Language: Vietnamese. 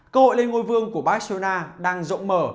cơ hội lên ngôi vương của barcelona đang rộng mở